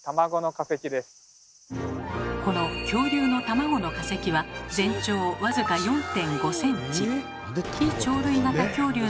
この恐竜の卵の化石は全長僅か４．５ｃｍ。